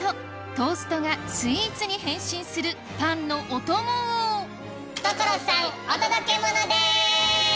トーストがスイーツに変身するパンのお供を所さんお届けモノです！